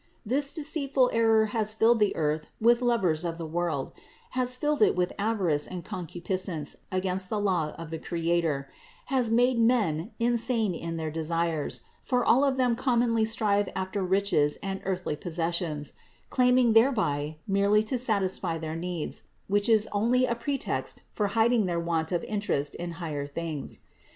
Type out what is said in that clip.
639. This deceitful error has filled the earth with lovers of the world ; has filled it with avarice and concupiscence against the law of the Creator; has made men insane in their desires; for all of them commonly strive after riches and earthly possessions; claiming thereby merely to satisfy their needs, which is only a pretext for hiding their want of interest in higher things.